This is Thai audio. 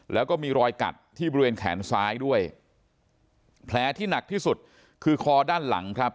แล้วก็มีรอยกัดที่บริเวณแขนซ้ายด้วยแผลที่หนักที่สุดคือคอด้านหลังครับ